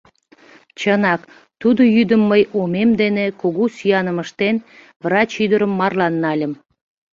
Чынак, тудо йӱдым мый омем дене, кугу сӱаным ыштен, врач ӱдырым марлан нальым.